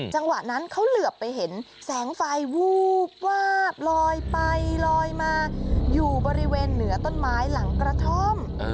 จังหวะนั้นเขาเหลือไปเห็นแสงไฟวูบวาบลอยไปลอยมาอยู่บริเวณเหนือต้นไม้หลังกระท่อม